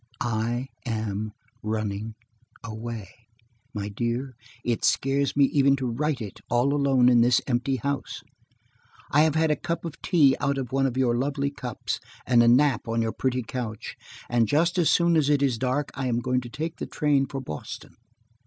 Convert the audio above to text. I–am–running–away! My dear, it scares me even to write it, all alone in this empty house. I have had a cup of tea out of one of your lovely cups, and a nap on your pretty couch, and just as soon as it is dark I am going to take the train for Boston.